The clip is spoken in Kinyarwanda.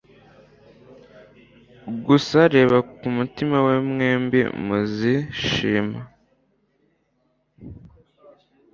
gusa reba kumutima we mwembi muzishima